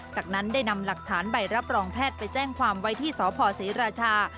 จากนั้นได้นำหลักฐานใบรับรองแพทย์ไปแจ้งความไว้ที่สพศรีราชา